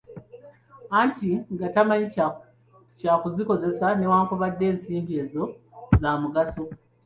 Anti nga tamanyi kya kuzikozesa newankubadde ng'ensimbi ezo za mugaso.